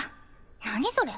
何それ？